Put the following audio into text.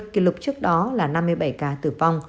kỷ lục trước đó là năm mươi bảy ca tử vong